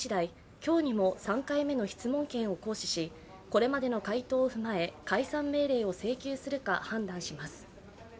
今日にも３回目の質問権を行使し、これまでの回答を踏まえ解散命令を請求するか判断します。